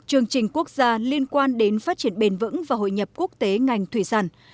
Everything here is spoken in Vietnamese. chương trình quốc gia liên quan đến phát triển bền vững và hội nhập quốc tế ngành thủy sản